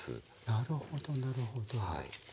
なるほどなるほど。ねえ。